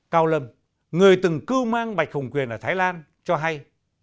cao lâm người từng cư mang bạch hồng quyền ở thái lan cho hay